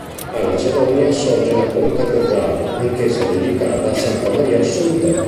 A Lacedonia sorge la concattedrale, anch'essa dedicata a Santa Maria Assunta.